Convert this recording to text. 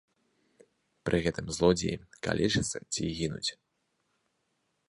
Пры гэтым злодзеі калечацца ці гінуць.